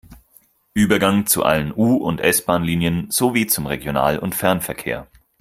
Übergang zu allen U- und S-Bahnlinien sowie zum Regional- und Fernverkehr.